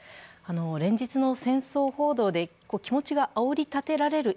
連日の戦争報道で気持ちがあおりたてられる